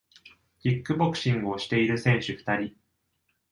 キックボクシングをしている選手二人